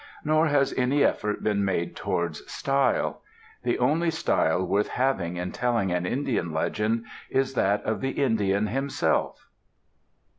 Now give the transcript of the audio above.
Nor has any effort been made towards "style." The only style worth having in telling an Indian legend is that of the Indian himself.